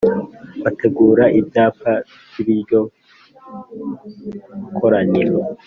bategura ibyapa by iryo koraniro